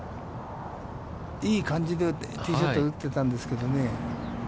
いい感じでティーショットを打っていたんですけどね。